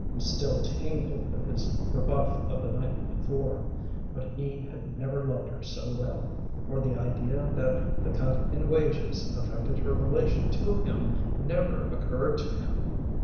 He still tingled with his rebuff of the night before, but he had never loved her so well, for the idea that the cut in wages affected her relation to him never occurred to him.